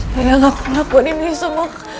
sayang aku ngelakuin ini semua